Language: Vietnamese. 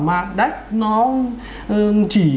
mà nó chỉ